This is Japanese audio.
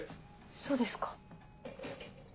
そうですか。